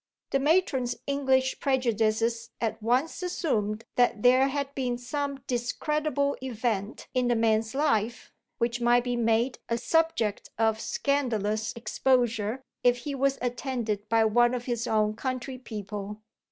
The matron's English prejudices at once assumed that there had been some discreditable event in the man's life, which might be made a subject of scandalous exposure if he was attended by one of his own countrypeople.